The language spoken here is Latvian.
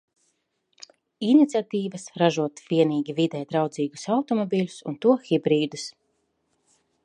Iniciatīvas ražot vienīgi videi draudzīgus automobiļus un to hibrīdus.